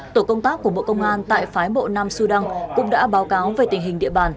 tổ công tác của bộ công an tại phái bộ nam sudan cũng đã báo cáo về tình hình địa bàn